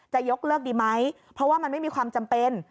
จะยกเลิกดีไหมเพราะว่ามันไม่มีความจำเป็น